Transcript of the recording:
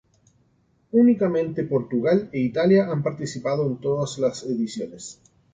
Únicamente Portugal e Italia han participado en todas las ediciones.